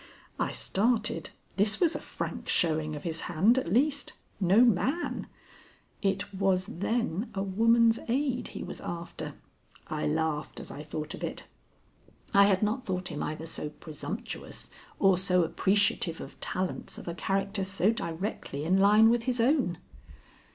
I started. This was a frank showing of his hand at least. No man! It was then a woman's aid he was after. I laughed as I thought of it. I had not thought him either so presumptuous or so appreciative of talents of a character so directly in line with his own.